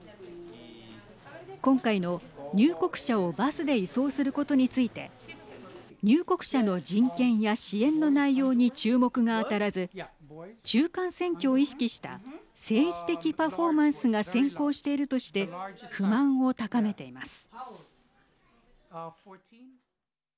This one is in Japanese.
今回の入国者をバスで移送することについて入国者の人権や支援の内容に注目が当たらず中間選挙を意識した政治的パフォーマンスが先行しているとして不満を高めています。